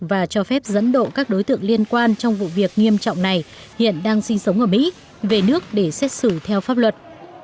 và cho phép dẫn độ các đối tượng liên quan trong vụ việc nghiêm trọng này hiện đang sinh sống ở mỹ về nước để xét xử theo pháp luật